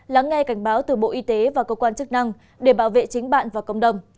lắng nghe cảnh báo từ bộ y tế và cơ quan chức năng để bảo vệ chính bạn và cộng đồng